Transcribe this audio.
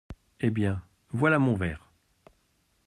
Eh bien, voilà mon ver !…